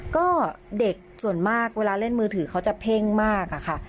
ก็เด็กส่วนมากเวลาเล่นมือถือเขาจะเพ่งมากอะค่ะ